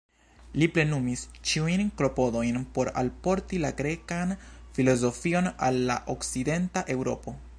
Li plenumis ĉiujn klopodojn por alporti la grekan filozofion al la Okcidenta Eŭropo.